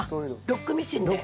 ロックミシンで。